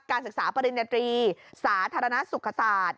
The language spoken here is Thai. ศึกษาปริญญาตรีสาธารณสุขศาสตร์